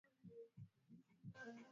Ukiandika maneno mawili alama inapungua.